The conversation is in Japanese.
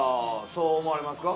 そう思われますか？